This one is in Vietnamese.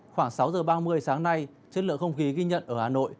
khoảng sáu giờ ba mươi sáng nay chất lượng không khí ghi nhận ở hà nội